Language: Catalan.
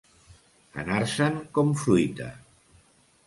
Anar-se'n com fruita.